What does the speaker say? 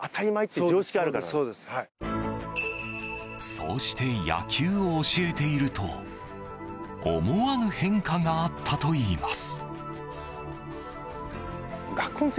そうして野球を教えていると思わぬ変化があったといいます。